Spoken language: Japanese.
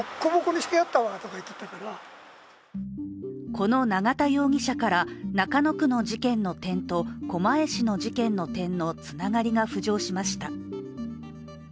この永田容疑者から中野区の事件の点と狛江市の事件の点のつながりが浮上しました。